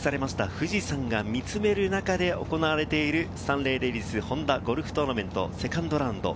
富士山が見つめる中で、行われている、スタンレーレディスホンダゴルフトーナメント・セカンドラウンド。